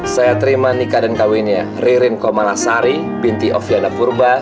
saya terima nikah dan kawinnya ririn komanasari binti oviana purba